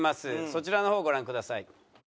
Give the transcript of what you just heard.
そちらの方ご覧ください。